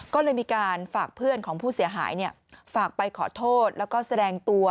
ก็เลยมีการฝากเพื่อนของผู้เสียหายฝากไปขอโทษแล้วก็แสดงตัว